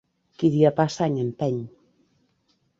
Qui dia passa any empeny.